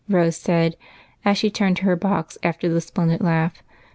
" Rose said, as she turned to her box after the splendid laugh.